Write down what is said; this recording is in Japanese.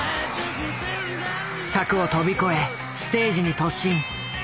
柵を飛び越えステージに突進。